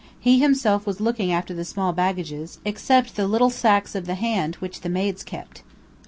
He himself was looking after the small baggages, except the little sacks of the hand which the maids kept.